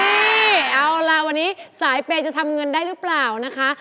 เอาล่ะวันนี้สายเปย์จะทำเงินได้หรือเปล่านะคะ